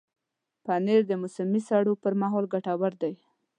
پنېر د موسمي سړو پر مهال ګټور دی.